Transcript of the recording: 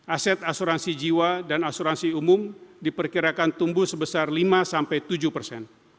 aset asuransi jiwa dan asuransi umum diperkirakan tumbuh sebesar lima tujuh persen